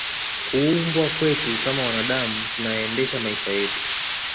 kuubwa kwetu kama wanaadamu tunayaendesha maisha yetu